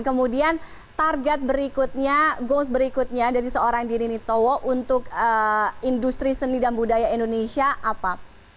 kemudian target berikutnya goals berikutnya dari seorang diri nitowo untuk industri seni dan budaya indonesia apa